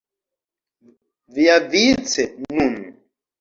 Viavice, nun!